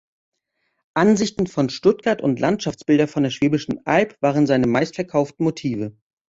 Ansichten von Stuttgart und Landschaftsbilder von der Schwäbischen Alb waren seine meistverkauften Motive.